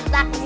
dua dua dua